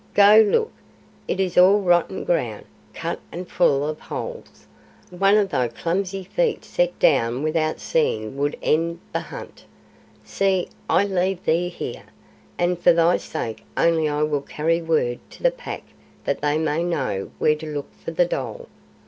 "Go look. It is all rotten ground, cut and full of holes. One of thy clumsy feet set down without seeing would end the hunt. See, I leave thee here, and for thy sake only I will carry word to the Pack that they may know where to look for the dhole.